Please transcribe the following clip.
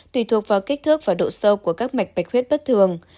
tùy thuộc vào kích thước và độ sâu của các mạch bạch huyết bất thường